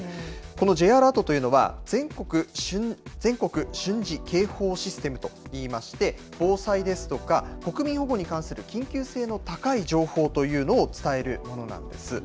このＪアラートというのは、全国瞬時警報システムといいまして、防災ですとか、国民保護に関する緊急性の高い情報というのを伝えるものなんです。